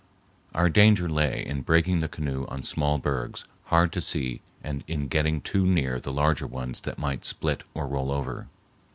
Our danger lay in breaking the canoe on small bergs hard to see and in getting too near the larger ones that might split or roll over.